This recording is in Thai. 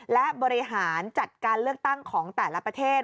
และบริหารจัดการเลือกตั้งของแต่ละประเทศ